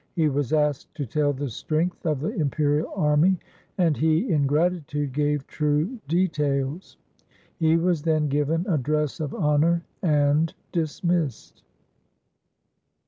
He was asked to tell the strength of the imperial army, and he in gratitude gave true details. He was then given a dress of honour and dismissed.